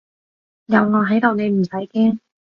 有我喺度你唔使驚